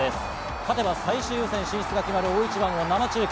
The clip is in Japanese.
勝てば最終予選進出が決まる大一番を生中継。